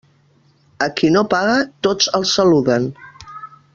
A qui no paga tots els saluden.